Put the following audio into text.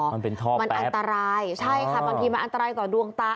มันเป็นท่อมันอันตรายใช่ค่ะบางทีมันอันตรายต่อดวงตา